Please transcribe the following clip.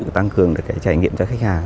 tăng cường được cái trải nghiệm cho khách hàng